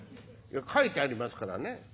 「いや。書いてありますからね。